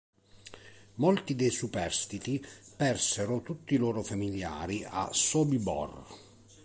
Molti dei superstiti persero tutti i loro famigliari a Sobibór.